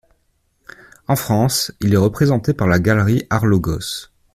En France, il est représenté par la galerie Arlogos.